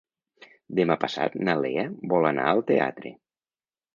Demà passat na Lea vol anar al teatre.